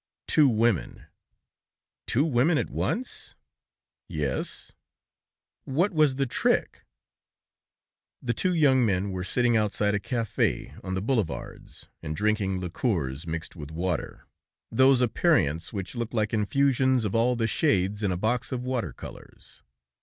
"Two women." "Two women at once?" "Yes." "What was the trick?" The two young men were sitting outside a café on the Boulevards, and drinking liquors mixed with water, those aperients which look like infusions of all the shades in a box of water colors.